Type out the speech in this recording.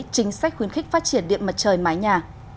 chính sách khuyến khích phát triển điện mặt trời mái nhà